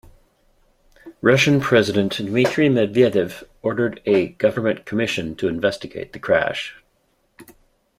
Russian President Dmitry Medvedev ordered a government commission to investigate the crash.